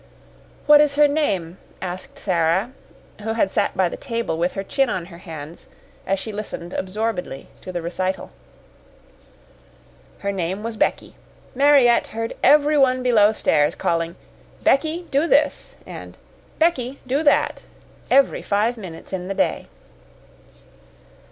"What is her name?" asked Sara, who had sat by the table, with her chin on her hands, as she listened absorbedly to the recital. Her name was Becky. Mariette heard everyone below stairs calling, "Becky, do this," and "Becky, do that," every five minutes in the day.